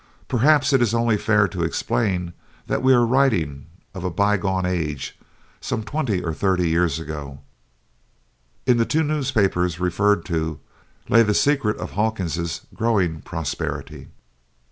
Perhaps it is only fair to explain that we are writing of a by gone age some twenty or thirty years ago. In the two newspapers referred to lay the secret of Hawkins's growing prosperity.